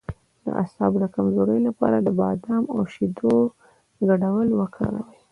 د اعصابو د کمزوری لپاره د بادام او شیدو ګډول وکاروئ